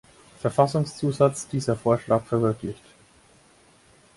Verfassungszusatz dieser Vorschlag verwirklicht.